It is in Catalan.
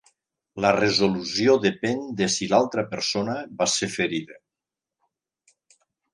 La resolució depèn de si l'altra persona va ser ferida.